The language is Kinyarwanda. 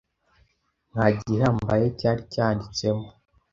Nta gihambaye cyari cyanditsemo.